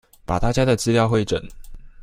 把大家的資料彙整